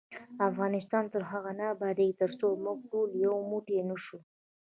افغانستان تر هغو نه ابادیږي، ترڅو موږ ټول یو موټی نشو.